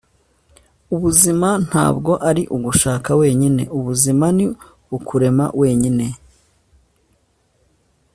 "ubuzima ntabwo ari ugushaka wenyine. ubuzima ni ukurema wenyine."